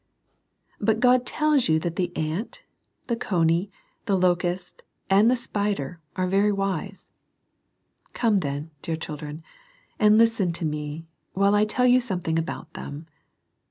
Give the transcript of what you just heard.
But God tells you that the ant, the cony, the locust, and the spider, are very wise. Come then, dear children, and listen to me, while I tell you some thing about them.